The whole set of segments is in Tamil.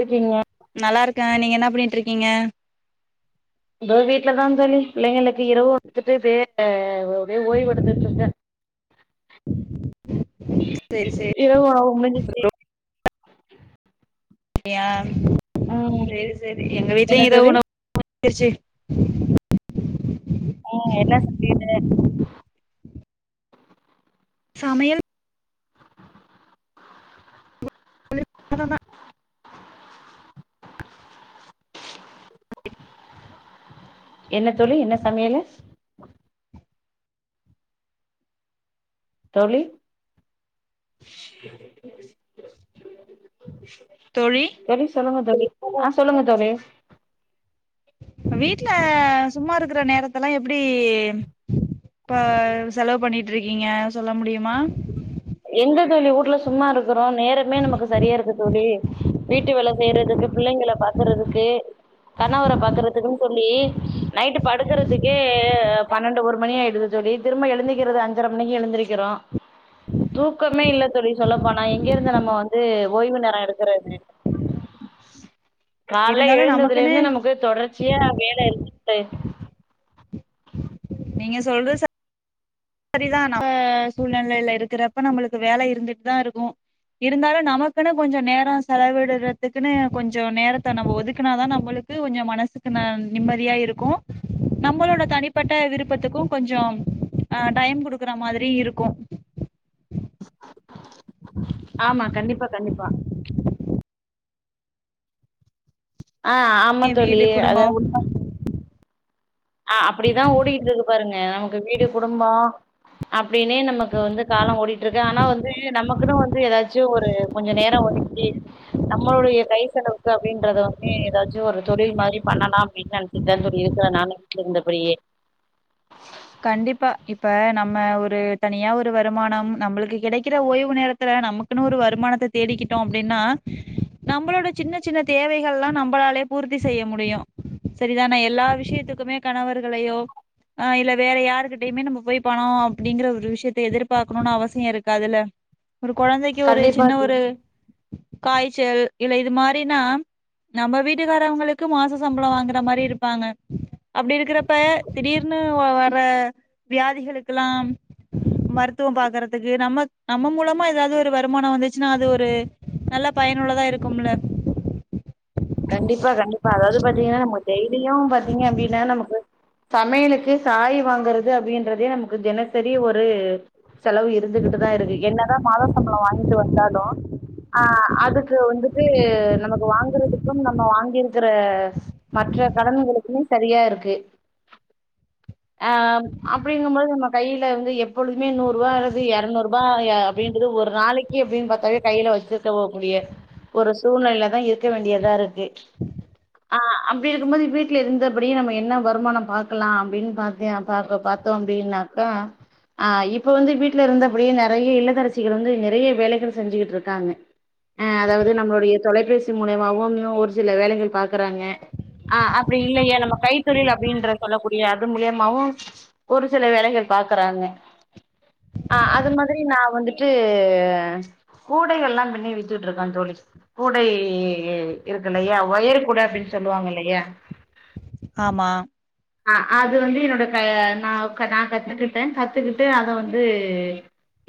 இருக்கீங்க நல்லாருக்கே நீங்க என்ன பண்ணிட்ருக் கீங்க இதோ வீட்ல தா தோழி பிள்ளைங்களுக்கு இரவு [inaudible] ஒரே ஓய்வு எடுத்துட்ருக்கே சேரி சேரி இரவு உணவு முடிஞ்சிச்சி [inaudible] யா ம் சேரி சேரி எங்க என்ன வீட்லயு இரவு தோழி உணவு [inaudible] [inaudible] உம் என்ன சமையலு சமையல் [inaudible] என்ன தோழி என்ன சமையலு தோழி தோழி சொல்லுங்க தோழி ஆஹ் சொல்லுங்க தோழி வீட்டுல சும்மா இருக்கற நேரத்தல்லா எப்டி இப்ப செலவு பண்ணிட்டு இருக்கீங்க சொல்ல முடியுமா எங்க தோழி ஊட்ல சும்மா இருக் கறோ நேரமே நமக்கு சரியா இருக்கு தோழி வீட்டு வேல செய்யறதுக்கு பிள்ளைகள பாக்குறதுக்கு கணவர பாக்குறதுக்குன்னு சொல்லி நைட்டு படுக்கறதுக்கே பன்னெண்டு ஒரு மணி ஆயிடுது தோழி திரும்ப எழுந்தக்கிறது அஞ்சரை மணிக்கு எழுந்திருக்கிறோ தூக்கமே இல்ல தோழி சொல்லப்போனா எங்கேருந்து நம்ம வந்து ஓய்வு நேரம் எடுக்கறது காலைல இருந்தாலு நமக்குன்னு எழுந்ததுலேருந்து நமக்கு தொடர்ச்சியா வேல இருக்கு [inaudible] நீங்க சொல்ற ச சரிதா நம் சூழ்நலைல இருக்குறப்ப நம்மளுக்கு வேல இருந்துட்தா இருக்கு இருந்தாலு நமக்குனு கொஞ்ச நேரோ செலவிடுறதுக்குனு கொஞ்சோ நேரத்த நம்ம ஒதுக்குனாதா நம்மளுக்கு ஒஞ்ச மனசுக்கு ந நிம்மதியா இருக்கு நம்பளோட தனிப்பட்ட விருப்பத்துக்கு கொஞ்சொ அ டைம் குடுக்குற மாதுரி இருக்கு ஆமா கண்டிப்பா கண்டிப்பா அ ஆம தோழி வீடு அத குடும்போ உண்ம அ அப்டிதா ஓடியிட்ருக்கு பாருங்க நம கு வீடு குடும்பொ அப் டீனே நமக்கு வந்து காலொ ஓடியிட்ருக்கு ஆனா வந்து நமக்குன்னு வந்து ஏதாச்சு ஒரு கொஞ்சொ நேரொ ஒதுக் ஏ நம்மளுடைய கை செலவுக்கு அப்டின்றது வந்து எதாச்சு ஒரு தொழில் மாரி பண்ணலா அப்டின் நெனச்சுட்டு தா தோழி இருக்குறே நானே இருந்த [unintelligible] கண்டிப்பா இப்ப நம்ம ஒரு தனியா ஒரு வருமானம் நம்புளுக்கு கெடைக்குற ஓய்வு நேரத்துல நமக்குன்னு ஒரு வருமானத்த தேடிக்கிட்டோ அப்டின்னா நம்ளோட சின்ன சின்ன தேவைகள்லா நம்ளாலே பூர்த்தி செய்ய முடியு செரிதானே எல்லா விஷயத்துக்குமே கணவர்களையோ ஆ இல்ல வேற யாருக்கிட்டயுமே நம்ம போய் பணோ அப்டிங்ற ஒரு விஷ்யத்த எதிர்பாக்ணுனு அவசியோ இருக்காதுல ஒரு கொழந்தைக்கு ஒரு கண்டிப்பா சின்ன தோழி ஒரு காய்ச்சல் இல்ல இது மாரினா நம்ப வீட்டுக்காரவங்ளுக்கு மாச சம்ளோ வாங்குற மாரி இருப்பாங்க அப்டி இருக்குறப்ப திடீர்னு வ ப்ப வியாதிகளுக்குலாம் ம த்துவ பாக்குறத்துக்கு நம்ம நம்ம மூலமா எதாது ஒரு வருமான வந்துச்சுனா அது ஒரு நல்ல பயனுள்ளதா இருக்கும்ல கண்டிப்பா கண்டிப்பா அதாது பாத்தீங்னா நம்ம டெய்லியு பாத்தீங்க அப்டின்னா நமக்கு சமையலுக்கு காய் வாங்குறது அப்டின்றதே நமக்கு தினசரி ஒரு செலவு இருந்துகிட்டுதா இருக்கு என்னதா மாத சம்ளோ வாங்கிட்டு வந்தாலு ஆ அதுக்கு வந்துட்டு நமக்கு வாங்கறது கும் நம்ம வாங்கிருக்குற மற்ற கடன்களுக்குமே சரியாருக்கு அ அப்டிங்கம்பொழுது நம்ம கைல வந்து எப்பொழுதுமே நூறுபா ஆகுது எரநூர்பா ய அப்டின்றது ஒரு நாளைக்கு அப்டின் பாத்தாவே கைல வச்சிருக்க ஒரு கூடிய ஒரு சூழ்நெலைல தா இருக்க வேண்டியாருக் இருட்டா இருக்கு ஆ அப்டி இருக்கும்போது வீட்டுல இருந்தபடியே நம்ப என்னா வருமானம் பாக்கலா அப்டின்னு பாத்தே பாக்க பாத்தோ அப்டின்னாக்கா ஆ இப்ப வந்து வீட்ல இருந்தபடியே நெறைய இல்லதரசிகள் வந்து நெறைய வேலைகள் செஞ்சுகிட்டு இருக்காங்க ஆ அதாவது நம்பளுடைய தொலைபேசி மூலியமாவு ஒரு சில வேலைகள் பாக்குறாங்க ஆ அப்டி இல்லையா நம்ப கைத்தொழில் அப்டின்ற சொல்லக்கூடிய அது மூலியமாவு ஒரு சில வேலைகள் பாக்குறாங்க ஆ அது மாதிரி நா வந்துட்டு கூடைகள்லா பிண்ணி வித்துட்ருக்கே தோழி கூடை இருக்குலையா ஒயருகூட அப்டின்னு சொல்லுவாங்கயில்லயா ஆமா அ அது வந்து என்னோட க நா நா கத்துக்குட்டே கத்துக்குட்டு அத வந்து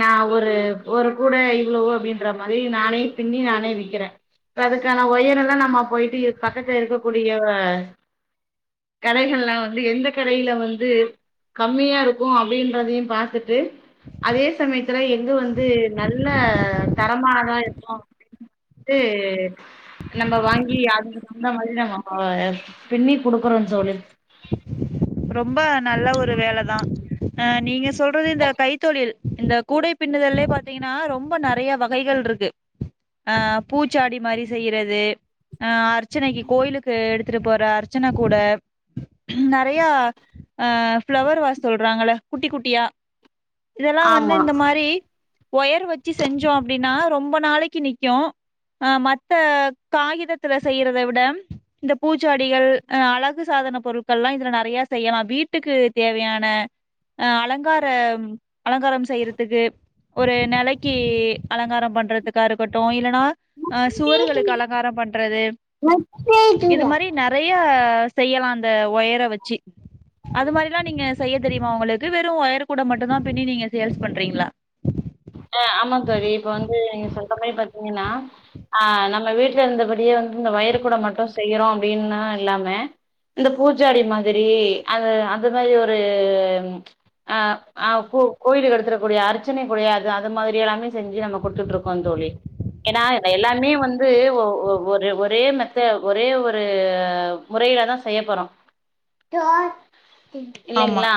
நா ஒரு ஒரு கூட இவ்ளோவு அப்டின்றமாரி நானே பின்னி நானே விக்கறே அதுக்கான ஒயரல் இப்ப நம்ம போய்ட்டு இருக் பக்கத்துல இருக்கக்கூடிய கடைகள்லலா வந்து எந்த கடையில வந்து கம்மியாருக்கு அப்டின்றதையு பாத்துட்டு அதே சமயத்துல எங்க வந்து நல்ல தரமானதா இருக்கு அப்டின் [inaudible] டு நம்ப வாங்கி அதுக்கு தகுந்த மாதிரி நம்ம ஆ பின்னி குடுக்குறோ தோழி ரொம்ப நல்ல ஒரு வேலதா ஆ நீங்க சொல்றது இந்த கைத்தொழில் இந்த கூடை பின்னுதல்லயே பாத்தீங்கனா ரொம்ப நறைய வகைகள் இருக்கு ஆ பூச்சாடி மாரி செய்யறது ஆ அர்ச்சனைக்கு கோயிலுக்கு எடுத்துட்டு போற அர்ச்சனகூட நறைய ஆ ஃப்ளவர் வாஷ் சொல்றாங்கள குட்டி குட்டியா இதல்லா வந்து ஆமா இந்த மாரி ஒயர் வெச்சு செஞ்சோ அப்டினா ரொம்ப நாளைக்கி நிக்கு அ மத்த காகிதத்துல செய்யறதவிட இந்த பூச்சாடிகள் அ அழகுசாதன பொருட்கள்லா இதுல ந நிறைய செய்யலா வீட்டுக்கு தேவையான அ அலங்கார அலங்காரம் செய்யறதுக்கு ஒரு நெலைக்கி அலங்காரோ பண்றதுக்கா இருக்கட்டு இல்லனா அ சுவர்களுக்கு அலங்காரோ பண்றது இது மாரி நறைய செய்யலா அந்த ஒயர வச் அது மாரிலா நீங்க செய்ய தெரியுமா உங்களுக்கு வெறும் ஒயர் கூட மட்டு தா பிண்ணி நீங்க சேல்ஸ் பண்றீங்களா. ஆஹ் ஆமா தோழி இப்ப வந்து நீங்க சொல் மாரி பாத்தீங்கன்னா ஆஹ் நம்ம வீட்டுல இருந்தபடியே வந்து இந்த ஒயறு கூட மட்டும் செய்யறோ அப்டின்தா இல்லாம இந்த பூச்சாடி மாரி அது அந்த மாரி ஒரு ஆஹ் ஆஹ் பூ கோயிலுக்கு எடுத்துடக்கூடிய அர்ச்சனை கூடைய அது மாரி எல்லாமே செஞ்சு நம்ம குடுத்துட்டு இருக்கோ தோழி ஏன்னா எல்லாமே வந்து ஒ ஒ ஒரே மத்த ஒரே ஒரு முறையிலதா செய்யப்பறோ ஆமா இல்லைங்களா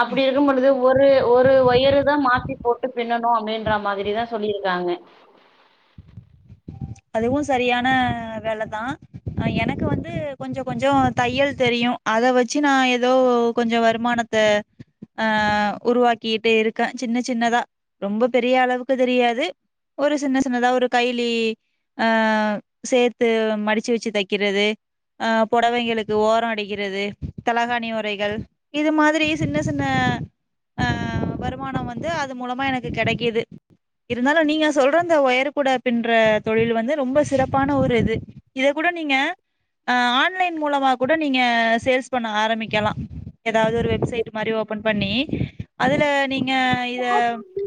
அப்டி இருக்கு பொழுது ஒரு ஒரு ஒயரு தா மாத்தி போட்டு பின்னணும் அப்டின்ற மாரிதா சொல்லியிருக்காங்க. இதுவு சரியான வேல தா அஹ் எனக்கு வந்து கொஞ்ச கொஞ்சோ தையல் தெரியு அத வச்சு நா எதோ கொஞ்ச வருமானத்த ஆஹ் உருவாக்கிகிட்டு இருக்க சின்ன சின்னதா ரொம்ப பெரிய அளவுக்கு தெரியாது ஒரு சின்ன சின்னதா ஒரு கைலி ஆஹ் சேர்த்து மடிச்சு வச்சு தக்கிறது ஆஹ் பொடவைங்களுக்கு ஓர அடிக்கிறது தலகாணி உரைகள் இது மாதிரி சின்ன சின்ன ஆஹ் வருமான வந்து அது மூலமா எனக்கு கெடைக்குது இருந்தாலு நீங்க சொல்ற அந்த வயர் கூட பிண்ற தொழிலு வந்து ரொம்ப சிறப்பான ஒரு இது இதக் கூட நீங்க அஹ் ஆன்லைன் மூலமாக கூட நீங்க சேல்ஸ் பண்ண ஆரம்மிக்கலா எதாவ்து ஒரு வெப்சைட்டு மாரி ஓப்பன் பண்ணி அதுல நீங்க இத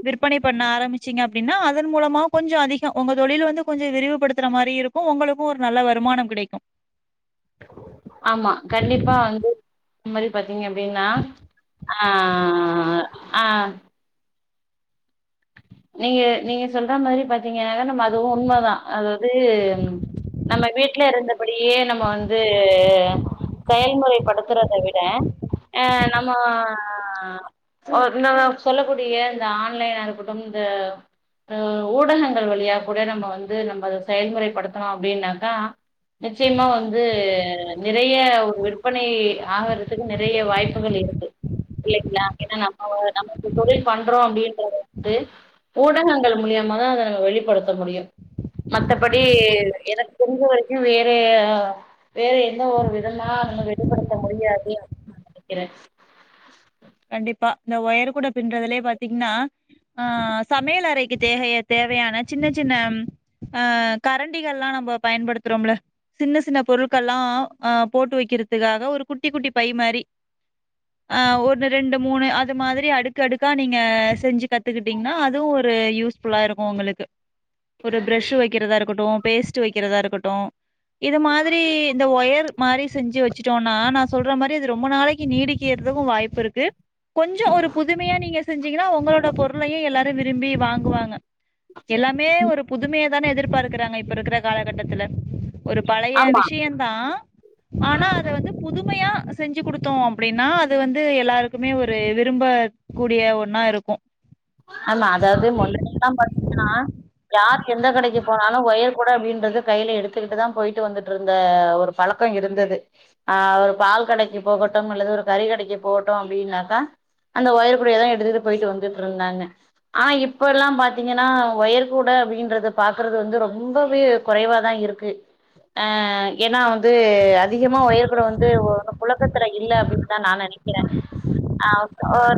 விற்பனை பண்ண ஆரம்மிச்சிங்க அப்டின்னா அதன் மூலமாக கொஞ்ச அதிக ஒங்க தொழில் வந்து கொஞ்ச விரிவுபடுத்துற மாரி இருக்கு ஒங்களுக்கு ஒரு நல்ல வருமானம் கிடைக்கு ஆமா கண்டிப்பா வந்து முன்னாடியே பாத் தீங்க அப்டின்னா ஆஹ் ஆஹ் நீங்க நீங்க சொல்ற மாரி பாத்தீங்கனாக்க நம்ம அது உண்மதா அதாவ்து நம்ம வீட்ல இருந்தபடியே நம்ம வந்து செயல்முறைப்படுத்துறத விட ஆஹ் நம்மா நம்மள சொல்லக்கூடிய இந்த ஆன்லைன் அனுப்பு எந்த உம் ஊடகங்கள் வழியா கூட நம்ம வந்து நம்ப அத செயல்முறைப்படுத்துனோ அப்டின்னாக்கா நிச்சயமா வந்து நிறைய விற்பனை ஆகறத்துக்கு நெறைய வாய்ப்புகள் இருக்கு இல்லைங்ளா ஏனா நம்ப நமக்கு தொழில் பண்றோ அப்டின்றத ந்து ஊடகங்கள் மூலியமாதான் அதை நம்ம வெளிப்படுத்த முடியும் மத்தபடி எனக்கு தெரிஞ்ச வரைக்கும் வேற வேற எந்த ஒரு விதமா நம வெளிப்படுத்த முடியாது அப்படின்னு நான் நினைக்கிறேன். கண்டிப்பா இந்த ஒயர் கூட பின்றதுலயே பாத்தீங்கன்னா ஆ சமையல் அறைக்கு தேகைய தேவையான சின்ன சின்ன ஆ கரண்டிகள் எல்லாம் நம்ம பயன்படுத்துறோம்ல சின்ன சின்ன பொருட்கள் எல்லாம் ஆ போட்டு வைக்கிறதுக்காக ஒரு குட்டி குட்டி பை மாரி ஆ ஒ ரெண்டு மூணு அது மாதிரி அடுக்கு அடுக்கா நீங்க செஞ்சு கத்துக்கிட்டீங்கன்னா அதுவும் ஒரு யூஸ்ஃபுல்லா இருக்கும் உங்களுக்கு. ஒரு ப்ரஷு வைக்கிறதா இருக்கட்டும் பேஸ்ட்ட் வைக்கிறதா இருக்கட்டும் இது மாதிரி இந்த ஒயர் மாதிரி செ்சு வச்சுட்டோம்னா நான் சொல்ற மாதிரி அது ரொம்ப நாளைக்கு நீடிக்கிறதுக்கும் வாய்ப்ப இருக் கு கொஞ்சம் ஒரு புதுமையா நீங்க சொ செஞ்சிங்கன்னா உங்களோடய பொருளையும் எல்லாரும் விரும்பி வாங்குவாங்க. எல்லாமே ஒரு புதுமை தானே எதிர்பார்க்கிறாங்க இப்ப இருக்கிற காலகட்டத்துல ஒரு பழைய ஆமா விஷயம தான் ஆனா அத வந்து புதுமையா செஞ்சு கொடுத்தோம் அப்படின்னா அது வந்து எல்லாருக் க்குமே ஒரு விரும்ப கூடிய ஒண்ணா இருக்கும். ஆமா அதாவது முன்ணாடியல்லாம் பாத்தீங்கன்னா யாரு எந்த கடைக்கு போனாலும் ஒயர்கூடை அப்படின்றது கையில எடுத்துக்கிட்டு தான் போயிட்டு வந்துட்டு இருந்த ஒரு பழக்கம் இருந்தது ஆ ஒரு பால் கடைக்கு போகட்டும் அல்லது ஒரு கறி கடைக்கு போகட்டும் அப்படின்னாக்கா அந்த ஒயர்கூடதான் எடுத்துட்டு போயிட்டு வந்து இப்பல்லாம் பாத்தீங்கன்னா ஒயர்கூட அப்படின்றத பாக்குறது வந்து ரொம்பவே குறைவாதான் இருக்கு ஆ ஏன்னா வந்து அதிகமா ஒயர்கூட வந்து புழக்கத்து இல் அப்படனுதான் நான் நினைக்கிறேன் ஆ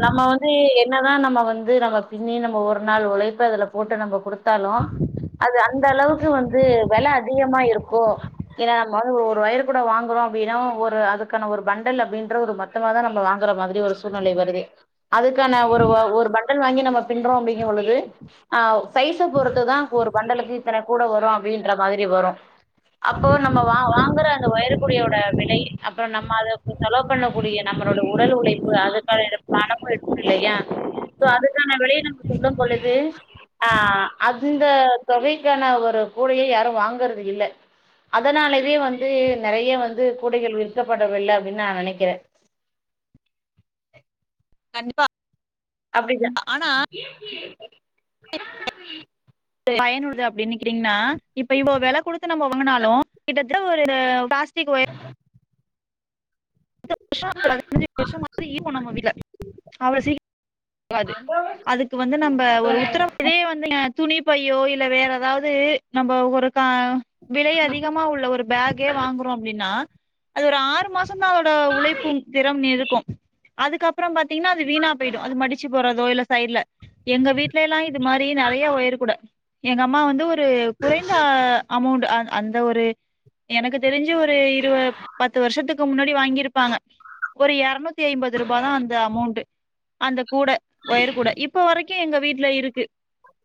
நம்ம வந்து என்னதான் நம்ம வந்து வந்து நம்ம பின்னி நம்ம ஒரு நாள் உழைப்பு அதுல போட்டு நம்ம கொடுத்து லும் அது அந்த அளவுக்கு வந்து விலை அதிகமா இருக்கும் ஏன்னா நம்ம ஒரு வயர் கூட வாங்குறோம் அப்படின்னா ஒரு அதுக்கான ஒரு பண்டல் அப்படின்ற ஒரு மொத்தமா தான் நம்ம வாங்குற மாதிரி ஒரு சூழ்நிலை வருது அதுக்கான ஒரு ஒரு பண் பல் வாங்க நம்ம பின்றோம் அப்படிங்கழுது ஆ சைசை பொறுத்துதான் ஒரு பண்டலக்கு இத்தனை கூட வரும் அப்படின்ற மாரி வரும் அப்போ நம்ம வா வாங்குற அந்த ஒயிற்கூடை யோட விலை அப்புறம் நம்ம அது செலவு பண்ணக்கூடிய நம்மளோடைய உடல் உழைப்பு அதுக்கான பணமும் எடுக்கும் இல்லையா சோ அதுக்கான விலையை நம்ம சொல்லும் பொழுது ஆ அந்த தொகைக்கான ஒரு கூடையை யாரும் வாங்கறது இல்ல அதனாலவே வந்து நிறைய வந்து கூடைகள் விற்கப்படவில்லை அப்படின்னு நான் நினைக்கிறேன். கண்டிப்பா. அப்படிதான் ஆனா [inaudible] பயனுள்ளது அப்படின்னுக்கிட்டீங்கன்னா இப்ப இவ்ளோ வெல குடுத்து நம்ம வாங்குனாலும் கிட்டத்த ஒரு [inaudible] பத்து வருஷ பதினஞ்சு வருஷமாது இருக்கு நம்ம வீட்ல அவ்ளோ சீக்கிரம் து அதுக்கு வந்து நம்ப ஒரு உத்தரவு இதே வந்து துணி பையோ இல்ல வேற ஏதாவது நம்ம ஒரு கா விலை அதிகமா உள்ள ஒரு பேக்கே வாங்குறோம் அப்டின்னா அது ஒரு ஆறு மாச ம் தான் உழைப்பும் திறம் இருக் கும் அதுக்கப்புறம் பாத்தீங்கன்னா அது வீணா போயிடும் அது மடி சு போறதோ இல்ல சைட்ல எங்க வீட்ல எல்லா இது மாரி நிறைய ஒயர் கூட எங்க அம்மா வந்து ஒரு குறைந்த அமௌண்ட் அ அந்த ஒரு எனக்கு தெரிஞ்சு ஒரு இருப பத்து வருஷத்துக்கு முன்னா வாங்கிருப்பாங்க ஒரு எறுநூத்தி ஐம்பது ரூபா தா அந்த அமௌண்ட் அந்த கூட வயர் கூட இப்போ வரைக் எங்க வீட்டுல இருக்கு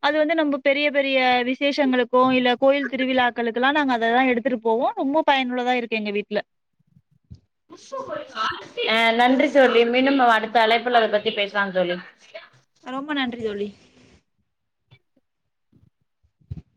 அது வந்து நம்ம பெரிய பெரிய விசேஷங்களுக்கு இல்ல கோயில் திருவிழாக்களுக்கெல்லா நாங்க அததா எடுத்துட்டு போவோ ரொம்ப பயனுள்ளதா இருக்கு எங்க வீட்டுல அஹ் நன்றி தோழி மீண்டு அடுத்த அழைப்புல அத பத்தி பேசலாம் தோழி ரொம்ப நன்றி தோழி